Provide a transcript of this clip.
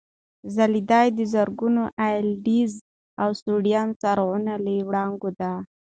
ځلېدا د زرګونو اېل ای ډیز او سوډیم څراغونو له وړانګو ده.